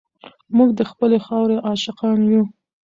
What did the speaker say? موږ د خپلې خاورې عاشقان یو.